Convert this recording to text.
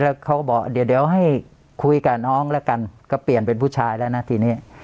แล้วเขาก็บอกเดี๋ยวให้คุยกับน้องแล้วกันก็เปลี่ยนเป็นผู้ชายแล้วนะทีนี้